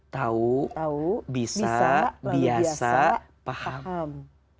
tahu bisa biasa paham